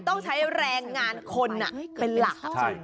ต้องใช้แรงงานคนเป็นหลัก